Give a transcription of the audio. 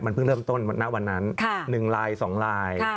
ถ้าผู้เสียหายมันเพิ่งเริ่มต้นณวันนั้น๑ลาย๒ลาย